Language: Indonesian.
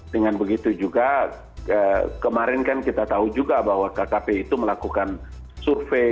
dengan begitu juga kemarin kan kita tahu juga bahwa kkp itu melakukan survei